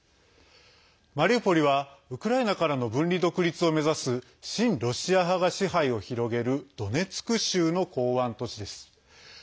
マリウポリはウクライナからの分離独立を目指す親ロシア派が支配を広げるドネツク州の港湾都市です。